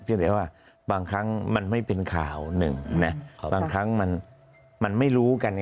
แต่ว่าบางครั้งมันไม่เป็นข่าวหนึ่งนะบางครั้งมันไม่รู้กันไง